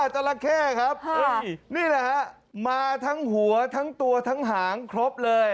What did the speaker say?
นี่แหละค่ะมาทั้งหัวทั้งตัวทั้งหางครบเลย